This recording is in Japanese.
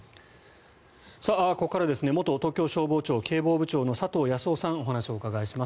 ここからは元東京消防庁警防部長の佐藤康雄さんにお話をお伺いします。